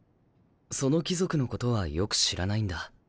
その貴族のことはよく知らないんだ。